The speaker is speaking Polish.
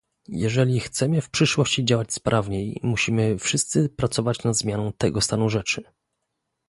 Jeżeli chcemy w przyszłości działać sprawniej, musimy wszyscy pracować nad zmianą tego stanu rzeczy